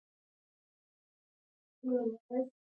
کېدای شي د دوی شمېره پنځه سلنه هم نه وي